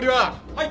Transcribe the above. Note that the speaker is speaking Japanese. はい。